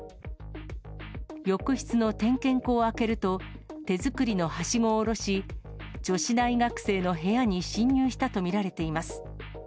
浴室の点検口を開けると、手作りのはしごを下ろし、女子大学生の部屋に侵入したと見られています。